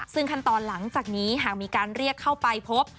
ซึ่งขั้นตอนหลังจากนี้หากมีการเรียกเข้าไปพบ